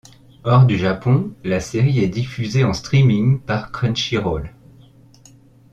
Hors du Japon, la série est diffusée en streaming par Crunchyroll.